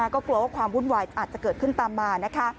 ก็กลัวว่าความวุ่นวายอาจจะเกิดขึ้นตามมานะคะ